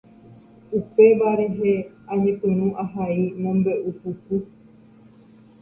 upéva rehe añepyrũ ahai mombe'upuku.